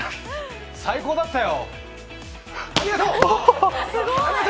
最高だったよ。